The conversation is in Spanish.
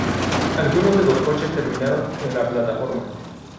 Algunos de los coches terminaron en la plataforma.